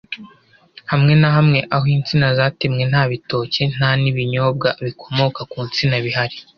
Hamwe na hamwe aho insina zatemwe nta bitoki nta n’ibinyobwa bikomoka ku nsina bihari